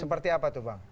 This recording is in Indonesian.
seperti apa tuh bang